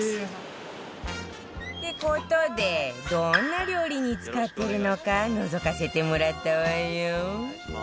って事でどんな料理に使ってるのかのぞかせてもらったわよ